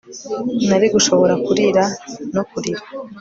nari gushobora kurira no kurira